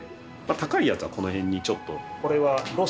高いやつはこの辺にちょっと。